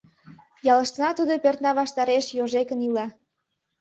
Ялыштына тудо пӧртна ваштареш йожекын ила.